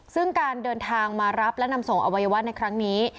ซึ่งการเดินทางมารับและนำส่งอวัยวะในครั้งนี้